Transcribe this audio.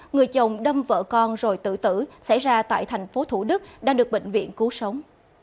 người chồng đâm vợ con rồi tử tử xảy ra tại thành phố thủ đức đang được bệnh viện cứu sống